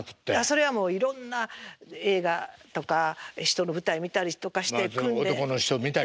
それはもういろんな映画とか人の舞台見たりとかして訓練男の人見たりとか。